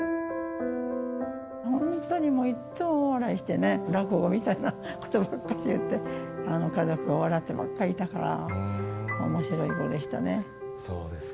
もう本当にもういつも大笑いしてね、落語みたいなことばっかし言って、家族が笑ってばっかりいたから、そうですか。